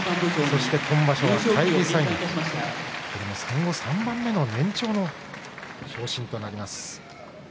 そして今場所の返り三役戦後３番目の年長の昇進となります。